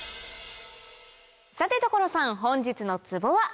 さて所さん本日のツボは？